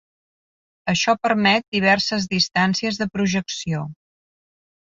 Això permet diverses distàncies de projecció.